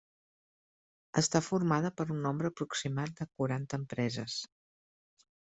Està formada per un nombre aproximat de quaranta empreses.